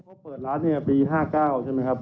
เขาเปิดร้านเนี่ยปี๕๙ใช่ไหมครับ